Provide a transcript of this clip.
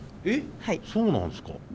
えっそうなんですか。